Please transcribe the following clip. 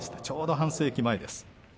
ちょうど半世紀前です。